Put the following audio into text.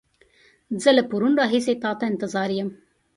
زه له پرون راهيسې تا ته انتظار يم.